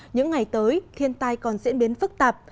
những ngày tới thiên tai còn diễn biến phức tạp